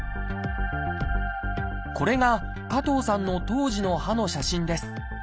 これが加藤さんの当時の歯の写真です。